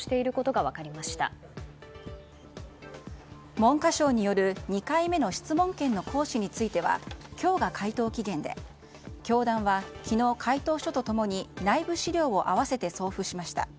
文科省による２回目の質問権の行使については今日が回答期限で教団は昨日、回答書と共に内部資料を合わせて送付しました。